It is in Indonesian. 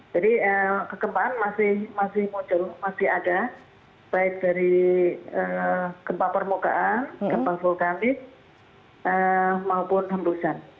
jadi kekempaan masih muncul masih ada baik dari kempah permukaan kempah vulkanis maupun hembusan